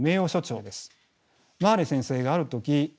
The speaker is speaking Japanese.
マーレー先生がある時